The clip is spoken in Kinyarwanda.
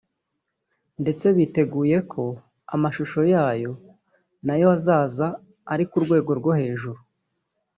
ndetse biteguye ko amashusho yayo nayo azaza ari ku rwego rwo hejuru